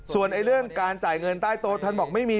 ส่วนเรื่องการจ่ายเงินใต้โต๊ะท่านบอกไม่มี